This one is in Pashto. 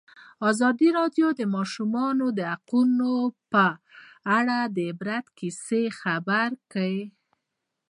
ازادي راډیو د د ماشومانو حقونه په اړه د عبرت کیسې خبر کړي.